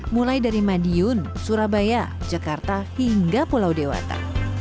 mulai dari madiun surabaya jakarta hingga pulau dewata